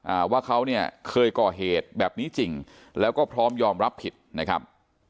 อ่าว่าเขาเนี่ยเคยก่อเหตุแบบนี้จริงแล้วก็พร้อมยอมรับผิดนะครับ